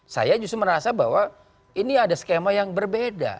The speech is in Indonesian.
saya justru merasa bahwa ini ada skema yang berbeda